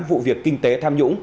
vụ việc kinh tế tham nhũng